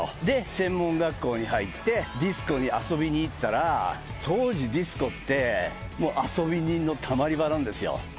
で専門学校に入ってディスコに遊びに行ったら当時ディスコって遊び人のたまり場なんですよ。